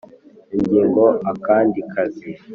Ingingo ya Akandi kazi